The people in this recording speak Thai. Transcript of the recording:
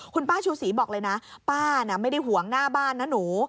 คุณป้าชูศรีบอกเลยนะป้าน่ะไม่ได้ห่วงหน้าบ้านนะหนู